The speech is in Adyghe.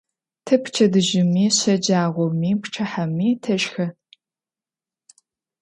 Тэ пчэдыжьыми, щэджагъоми, пчыхьэми тэшхэ.